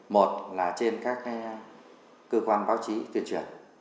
một là trên các cơ quan báo chí tuyên truyền